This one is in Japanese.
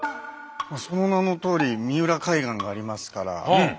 その名のとおり三浦海岸がありますから。